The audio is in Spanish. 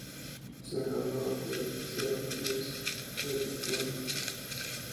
Se graduó del Seoul Girls' High School.